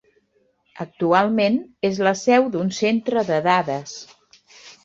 Actualment és la seu d'un centre de dades.